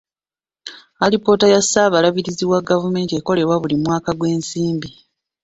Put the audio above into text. Alipoota ya ssaababalirizi wa gavumenti ekolebwa buli mwaka gw'ebyensimbi.